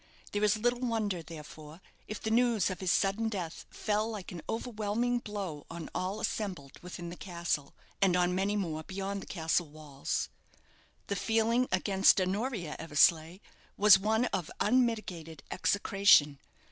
There is little wonder, therefore, if the news of his sudden death fell like an overwhelming blow on all assembled within the castle, and on many more beyond the castle walls. The feeling against Honoria Eversleigh was one of unmitigated execration.